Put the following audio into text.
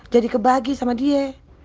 jadi kebagi sama dia